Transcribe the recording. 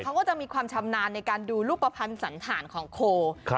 เขาก็จะมีความชำนาญในการดูรูปภัณฑ์สันฐานของโค